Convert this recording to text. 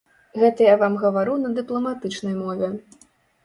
Гэта я вам гавару на дыпламатычнай мове.